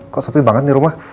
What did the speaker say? kok sepi banget di rumah